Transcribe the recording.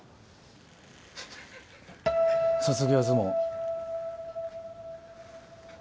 卒業相撲。